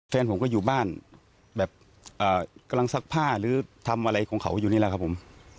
แฟนผมก็อยู่บ้านแบบกำลังซักผ้าหรือทำอะไรของเขาอยู่นี่แหละครับผม